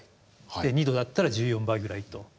２℃だったら１４倍ぐらいと。